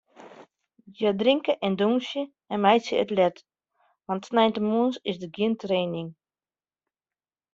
Hja drinke en dûnsje en meitsje it let, want sneintemoarns is der gjin training.